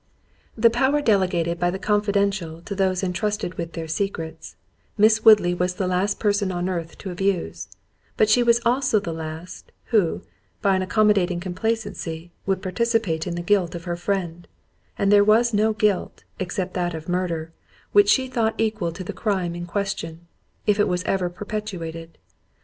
The power delegated by the confidential to those entrusted with their secrets, Miss Woodley was the last person on earth to abuse—but she was also the last, who, by an accommodating complacency, would participate in the guilt of her friend—and there was no guilt, except that of murder, which she thought equal to the crime in question, if it was ever perpetrated.